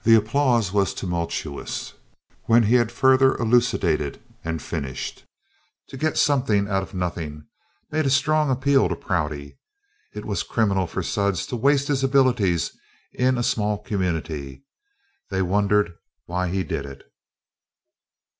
The applause was tumultuous when he had further elucidated and finished. To get something out of nothing made a strong appeal to Prouty. It was criminal for Sudds to waste his abilities in a small community. They wondered why he did it.